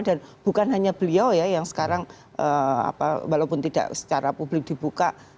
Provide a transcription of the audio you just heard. dan bukan hanya beliau ya yang sekarang walaupun tidak secara publik dibuka